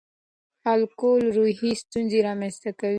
الکول روحي ستونزې رامنځ ته کوي.